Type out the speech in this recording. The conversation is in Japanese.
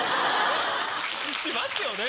しますよね？